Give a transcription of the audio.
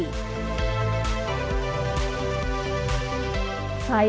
bagaimana cara anda mengenalnya